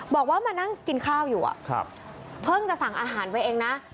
บอกว่ามานั่งกินข้าวอยู่เพิ่งจะสั่งอาหารไปเองนะ